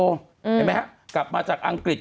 เห็นมั้ยครับกลับมาจากอังกฤษ